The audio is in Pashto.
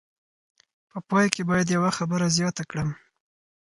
په پای کې باید یوه خبره زیاته کړم.